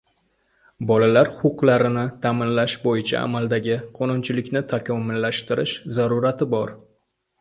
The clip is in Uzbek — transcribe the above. Bolalar huquqlarini ta’minlash bo‘yicha amaldagi qonunchilikni takomillashtirish zarurati bor